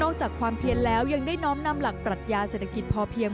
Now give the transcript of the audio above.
จากความเพียนแล้วยังได้น้อมนำหลักปรัชญาเศรษฐกิจพอเพียง